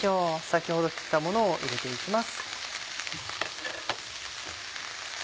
先ほど切ったものを入れて行きます。